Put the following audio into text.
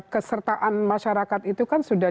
kesertaan masyarakat itu kan sudah